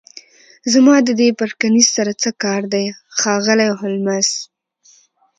زما د دې پرکینز سره څه کار دی ښاغلی هولمز